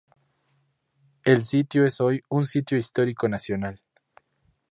El sitio es hoy un sitio histórico nacional.